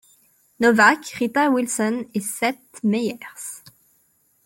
Novak, Rita Wilson et Seth Meyers.